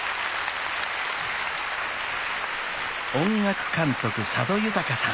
［音楽監督佐渡裕さん